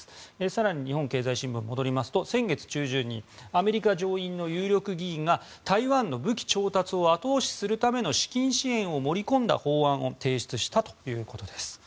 更に日本経済新聞に戻りますと先月中旬にアメリカ上院の有力議員が台湾の武器調達を後押しするための資金支援を盛り込んだ法案を提出したということです。